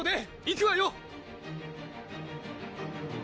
行くわよ！